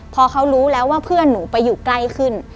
พอเขารู้แล้วว่าเพื่อนหนูไปอยู่ใกล้ขึ้น